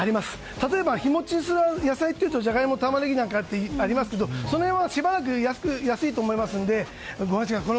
例えば、日持ちする野菜というとジャガイモ、タマネギなどありますけどその辺はしばらく安いと思いますのでご安心ください。